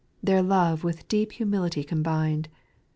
Their love with deep humility combined.